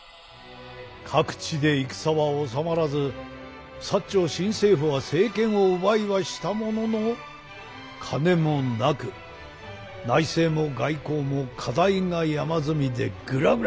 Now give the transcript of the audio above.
各地で戦は収まらず長新政府は政権を奪いはしたものの金もなく内政も外交も課題が山積みでグラグラだ。